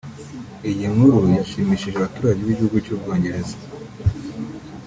Iyi nkuru yashimishije abaturage b’Igihugu cy’u Bwongereza